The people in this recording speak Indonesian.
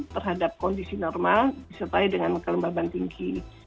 terhadap kondisi normal disertai dengan kelembaban tinggi